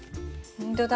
ほんとだ。